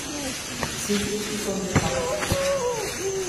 C’est lui qui conduira.